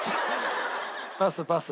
パスパス。